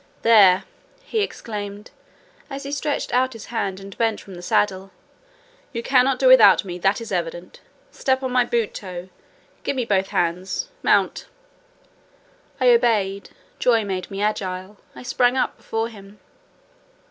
"There!" he exclaimed, as he stretched out his hand and bent from the saddle: "You can't do without me, that is evident. Step on my boot toe; give me both hands: mount!" I obeyed: joy made me agile: I sprang up before him.